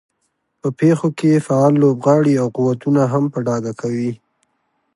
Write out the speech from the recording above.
په پېښو کې فعال لوبغاړي او قوتونه هم په ډاګه کوي.